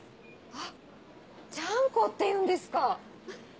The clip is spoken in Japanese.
あっチャンコっていうんですか！